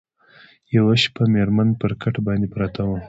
یوه شپه مېرمن پر کټ باندي پرته وه